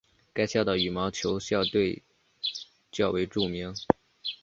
该校的羽毛球校队较为著名。